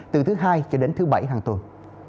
từ thứ hai đến thứ bảy hàng tuần